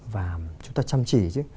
và chúng ta chăm chỉ chứ